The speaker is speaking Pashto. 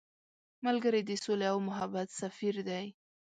ملګری د سولې او محبت سفیر دی